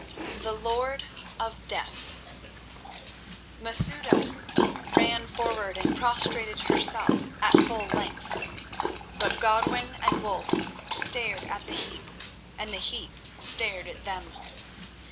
The Lord of Death Masouda ran forward and prostrated herself at full length, but Godwin and Wulf stared at the heap, and the heap stared at them.